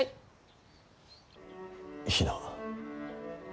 比奈。